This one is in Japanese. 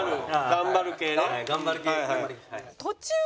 頑張る系。